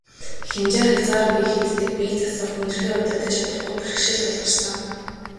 Хэмжээ хязгааргүй их иддэг, бие засах, хүндрэхээ удирдаж чадахгүй бэрхшээл тулгарсан.